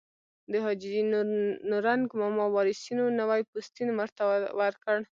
د حاجي نورنګ ماما وارثینو نوی پوستین ورته ورکړ.